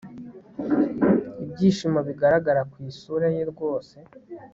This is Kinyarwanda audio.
ibyishimo bigaragara kwisura ye rwose